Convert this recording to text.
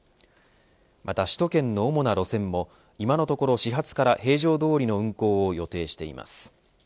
また首都圏の主な路線も今のところ始発から平常どおりの運行を予定しています。